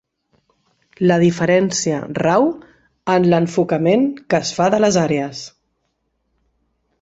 La diferència rau en l'enfocament que es fa de les àrees.